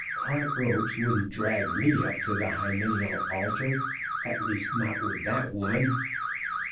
"Cart ropes wouldn't drag me up to the hymeneal altar, at least not with that woman."